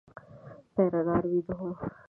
پيره دار وېده و.